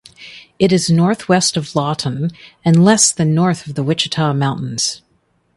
It is northwest of Lawton and less than north of the Wichita Mountains.